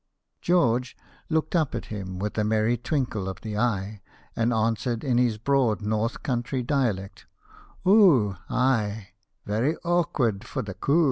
George looked up at him with a merry twinkle of the eye, and answered in his broad North Country dialect, " Oo, ay, very awkward for the coo!'